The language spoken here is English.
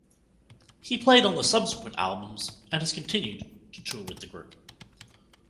He played on the subsequent albums and has continued to tour with the group.